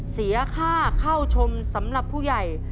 เสียค่าเข้าชมสำหรับผู้ใหญ่